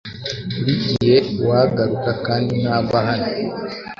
Burigihe uwagaruka kandi ntagwa hano